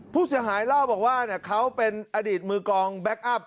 ผู้เสียหายเล่าบอกว่าเขาเป็นอดีตมือกองแบ็คอัพ